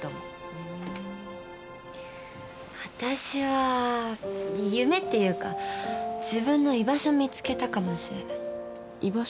私は夢っていうか自分の居場所見つけたかもしれない。